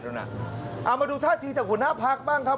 เอามาดูท่าทีจากหัวหน้าพักบ้างครับ